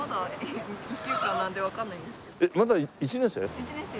まだ１年生？